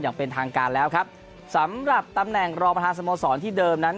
อย่างเป็นทางการแล้วครับสำหรับตำแหน่งรองประธานสโมสรที่เดิมนั้น